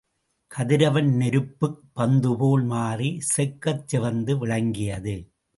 கதிரவன் நெருப்புப் பந்துபோல் மாறி செக்கச் சிவந்து விளங்கியது.